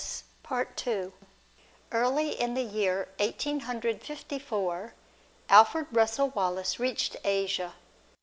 Early in the year Eighteen Hundred Fifty four, Alfred Russel Wallace reached Asia.